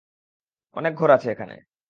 অনেক ঘর আছে এখানে।